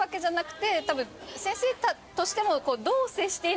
先生としても。